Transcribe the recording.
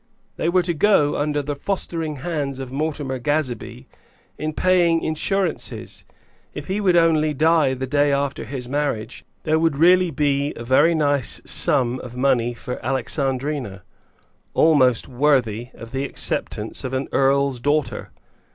They were to go, under the fostering hand of Mortimer Gazebee, in paying insurances. If he would only die the day after his marriage, there would really be a very nice sum of money for Alexandrina, almost worthy of the acceptance of an earl's daughter.